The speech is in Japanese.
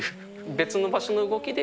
別の場所の動きで。